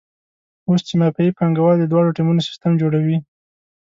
اوس چې مافیایي پانګوال د دواړو ټیمونو سیستم جوړوي.